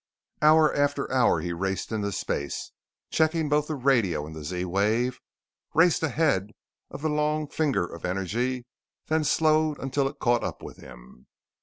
Hour after hour he raced into space, checking both the radio and the Z wave, raced ahead of the long finger of energy, then slowed until it caught up with him.